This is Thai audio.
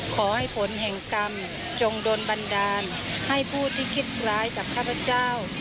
ขอให้ผลแห่งกรรมจงโดนบันดาลให้ผู้ที่คิดร้ายกับข้าพเจ้า